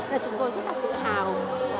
nên chúng tôi rất là tự hào